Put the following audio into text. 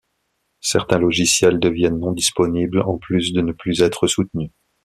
Certains logiciels deviennent non-disponibles, en plus de ne plus être soutenus.